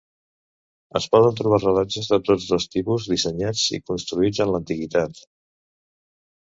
Es poden trobar rellotges de tots dos tipus dissenyats i construïts en l'antiguitat.